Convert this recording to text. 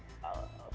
terima kasih dok